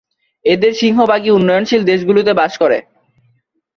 এদের সিংহভাগই উন্নয়নশীল দেশগুলিতে বাস করে।